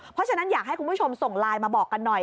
เพราะฉะนั้นอยากให้คุณผู้ชมส่งไลน์มาบอกกันหน่อย